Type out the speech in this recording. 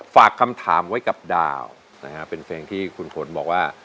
ฝากคำถามไว้กับดาวและเป็นเพลงที่คุณฝนธนอธิบายบอกว่า